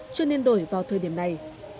chưa nên đổi vào thời điểm này